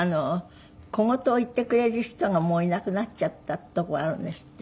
小言を言ってくれる人がもういなくなっちゃったっていうとこがあるんですって？